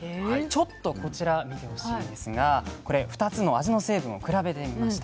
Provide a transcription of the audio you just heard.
ちょっとこちら見てほしいんですがこれ２つの味の成分を比べてみました。